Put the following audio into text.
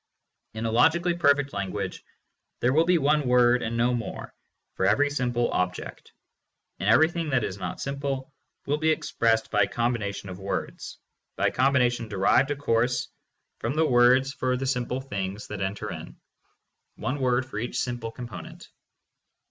In a logically perfect language, there will be one word and no more for every simple object, and everything that is not simple will be expressed by a combination of words, by a combination derived, of course, from the words for the simple things that enter in, one word for each simple component.